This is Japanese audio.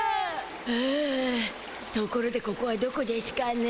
ふうところでここはどこでしゅかね？